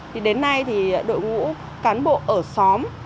thì đến nay thì đội ngũ cán bộ ở xóm